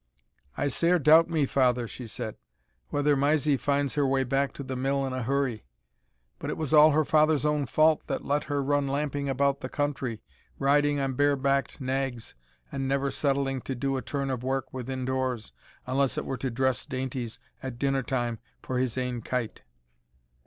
"I sair doubt me, father," she said, "whether Mysie finds her way back to the Mill in a hurry; but it was all her father's own fault that let her run lamping about the country, riding on bare backed naigs, and never settling to do a turn of wark within doors, unless it were to dress dainties at dinner time for his ain kyte."